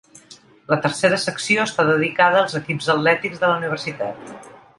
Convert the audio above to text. La tercera secció està dedicada als equips atlètics de la universitat.